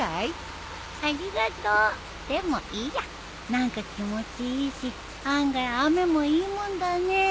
何か気持ちいいし案外雨もいいもんだね。